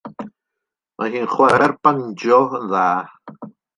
Mae hi'n chwarae'r banjo yn dda.